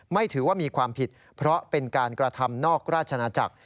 ไม่ถือว่ามีความผิดเพราะเป็นการกระทำนอกราชนาจักร